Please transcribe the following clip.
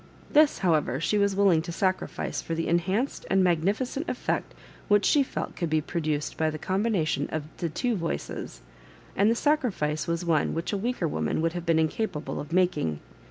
This, however, she was willing to sacrifice for the en hanced and magnificent effect which she felt could be produced by the combination of the two voices ; and the sacrifice was one which a weaker woman would have been incapable of making.